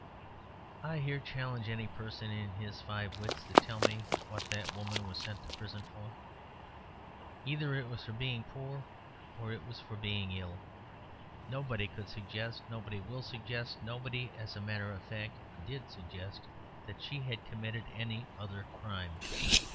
I here challenge any person in his five wits to tell me what that woman was sent to prison for. Either it was for being poor, or it was for being ill. Nobody could suggest, nobody will suggest, nobody, as a matter of fact, did suggest, that she had committed any other crime.